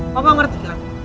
papa ngerti kan